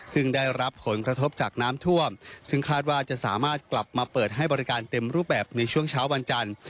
ซึ่งได้รับผลกระทบจากน้ำท่วมซึ่งคาดว่าจะสามารถกลับมาเปิดให้บริการเต็มรูปแบบในช่วงเช้าวันจันทร์